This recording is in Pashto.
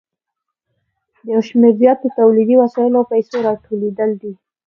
د یو شمېر زیاتو تولیدي وسایلو او پیسو راټولېدل دي